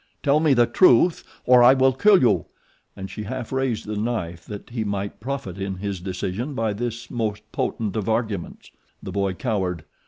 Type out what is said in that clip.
"Tell me the truth, or I kill you," and she half raised the knife that he might profit in his decision by this most potent of arguments. The boy cowered.